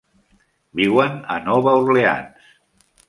Viuen a Nova Orleans.